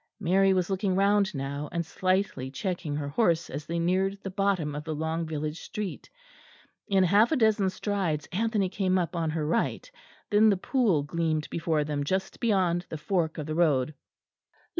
Mary was looking round now, and slightly checking her horse as they neared the bottom of the long village street. In half a dozen strides Anthony came up on her right. Then the pool gleamed before them just beyond the fork of the road.